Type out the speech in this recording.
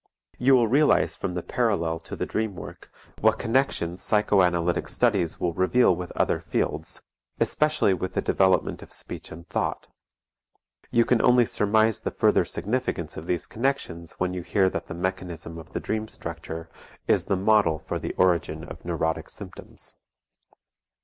You will realize from the parallel to the dream work, what connections psychoanalytic studies will reveal with other fields, especially with the development of speech and thought. You can only surmise the further significance of these connections when you hear that the mechanism of the dream structure is the model for the origin of neurotic symptoms.